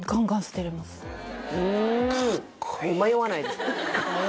迷わないです